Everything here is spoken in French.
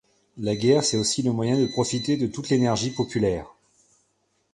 La guerre, c'est aussi le moyen de profiter de toute l'énergie populaire.